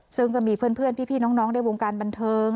ซึ่งก็มีเพื่อนพี่น้องในวงการบันเทิง